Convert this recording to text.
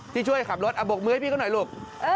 ที่ช่วยขับรถบกมือให้พี่เขาหน่อยลูก